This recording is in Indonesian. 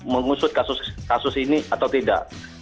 mengusut kasus ini atau tidak